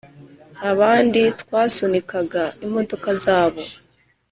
Abandi twasunikaga imodoka zabo